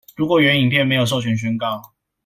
如果原影片沒有授權宣告